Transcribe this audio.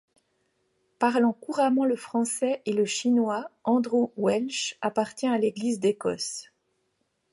Parlant couramment le français et le chinois, Andrew Welsh appartient à l'Église d'Écosse.